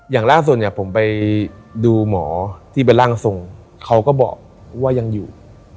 อย่างล่าสุดเนี่ยผมไปดูหมอที่เป็นร่างทรงเขาก็บอกว่ายังอยู่